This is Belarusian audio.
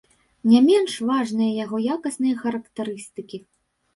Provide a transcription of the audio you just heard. Не менш важныя яго якасныя характарыстыкі.